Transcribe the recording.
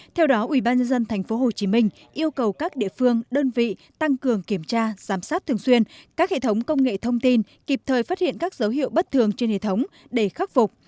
theo đó ubnd tp hcm yêu cầu các địa phương đơn vị tăng cường kiểm tra giám sát thường xuyên các hệ thống công nghệ thông tin kịp thời phát hiện các dấu hiệu bất thường trên hệ thống để khắc phục